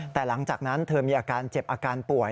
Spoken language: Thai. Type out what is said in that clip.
แต่หลังจากนั้นเธอมีอาการเจ็บอาการป่วย